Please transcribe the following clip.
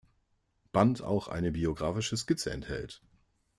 Band auch eine biographische Skizze enthält.